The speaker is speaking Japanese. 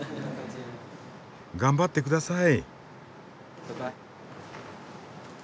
頑張ってください。